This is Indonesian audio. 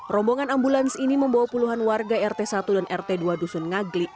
rombongan ambulans ini membawa puluhan warga rt satu dan rt dua dusun ngagli